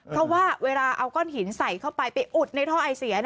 เพราะว่าเวลาเอาก้อนหินใส่เข้าไปไปอุดในท่อไอเสีย